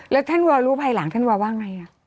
แล้วท่านวอลรู้ภายหลังท่านวาว่าไง